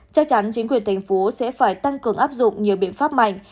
chắc chắn chính quyền thành phố sẽ phải tăng cường áp dụng nhiều biện pháp mạnh